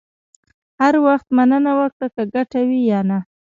هر وخت مننه وکړه، که ګټه وي یا نه.